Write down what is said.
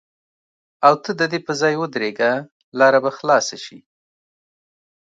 او ته د دې پر ځای ودرېږه لاره به خلاصه شي.